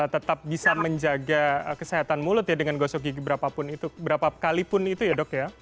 tetap bisa menjaga kesehatan mulut ya dengan gosok gigi berapapun itu berapa kalipun itu ya dok ya